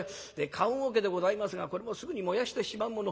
「棺おけでございますがこれもすぐに燃やしてしまうもの。